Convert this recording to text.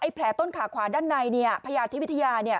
แผลต้นขาขวาด้านในพญาธิวิทยา